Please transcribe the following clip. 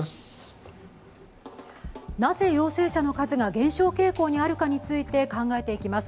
なぜ陽性者の数が減少傾向にあるかについて考えていきます。